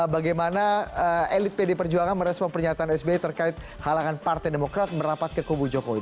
bagaimana elit pd perjuangan merespon pernyataan sbi terkait halangan partai demokrat merapat ke kubu jokowi